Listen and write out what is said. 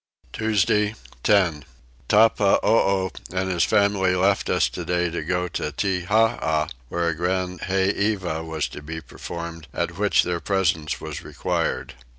Tuesday 10. Teppahoo and his family left us today to go to Tettaha, where a grand heiva was to be performed, at which their presence was required.